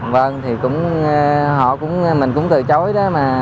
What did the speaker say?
vâng thì mình cũng từ chối đó mà